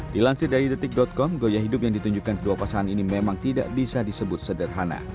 dilansir dari detik com gaya hidup yang ditunjukkan kedua pasangan ini memang tidak bisa disebut sederhana